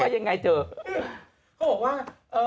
เขาบอกว่า